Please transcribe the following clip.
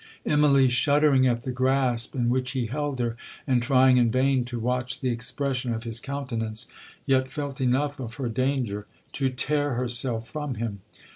Immalee, shuddering at the grasp in which he held her, and trying in vain to watch the expression of his countenance, yet felt enough of her danger to tear herself from him.